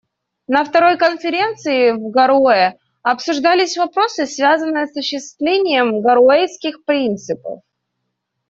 На второй конференции в Гароуэ обсуждались вопросы, связанные с осуществлением «Гароуэсских принципов».